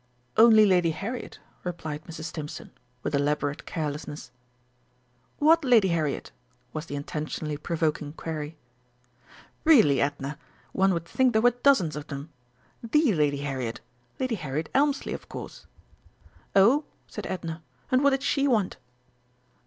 "Only Lady Harriet," replied Mrs. Stimpson, with elaborate carelessness. "What Lady Harriet?" was the intentionally provoking query. "Really, Edna, one would think there were dozens of them! The Lady Harriet: Lady Harriet Elmslie, of course." "Oh," said Edna. "And what did she want?"